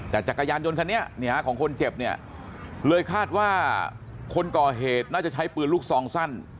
แต่จักรยานยนต์คันนี้ของคนเจ็บเนี่ยเลยคาดว่าคนก่อเหตุน่าจะใช้ปืนลูกซองสั้น